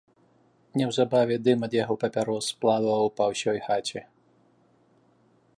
Неўзабаве дым ад яго папярос плаваў па ўсёй хаце.